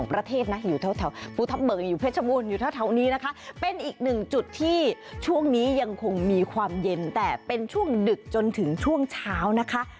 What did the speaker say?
เป็นอีกหนึ่งจุดที่ช่วงนี้ยังมีความเย็นแต่เป็นช่วงดึกจนถึงช่วงเช้า